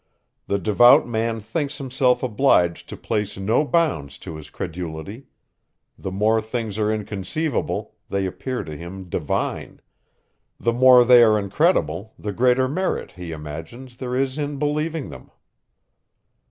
The devout man thinks himself obliged to place no bounds to his credulity; the more things are inconceivable, they appear to him divine; the more they are incredible, the greater merit, he imagines, there is in believing them.